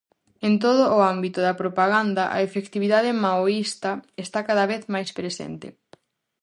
En todo o ámbito da propaganda, a efectividade maoísta está cada vez máis presente.